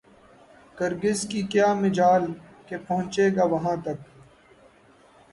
کرگس کی کیا مجال کہ پہنچے گا وہاں تک